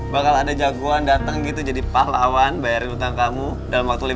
bakal ada jagoan dateng gitu jadi pahlawan bayarin utang kamu dalam waktu lima menit